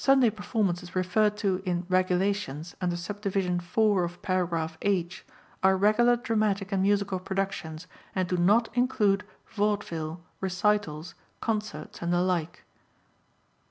34. Sunday performances referred to in "Regulations," under Subdivision 4 of Paragraph H, are regular dramatic and musical productions and do not include vaudeville, recitals, concerts and the like.